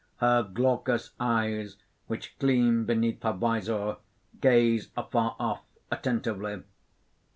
Her glaucous eyes, which gleam beneath her vizor, gaze afar off, attentively.